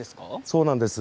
そうなんです。